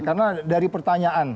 karena dari pertanyaan